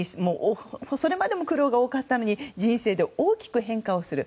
それまでも苦労が大きかったのに人生で大きく苦労する。